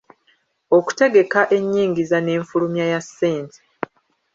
Okutegeka ennyingiza n’enfulumya ya ssente.